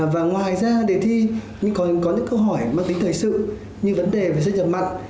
và ngoài ra đề thi có những câu hỏi mắc tính thời sự như vấn đề về sân chập mặt